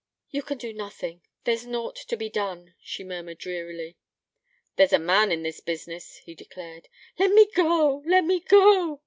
'You can do nothing: there's nought to be done,' she murmured drearily. 'There's a man in this business,' he declared. 'Let me go! Let me go!'